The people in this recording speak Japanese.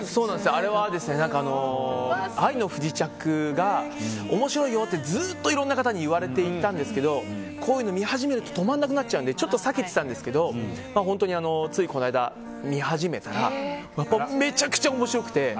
あれは「愛の不時着」が面白いよってずっといろんな方に言われていたんですけどこういうのを見始めると止まらなくなっちゃうので避けてたんですけどついこの間、見始めたらめちゃくちゃ面白くて。